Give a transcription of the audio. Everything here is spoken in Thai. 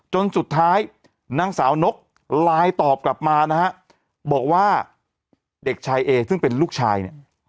จนสุดท้ายนางสาวนกไลน์ตอบกลับมานะฮะบอกว่าเด็กชายเอซึ่งเป็นลูกชายเนี่ย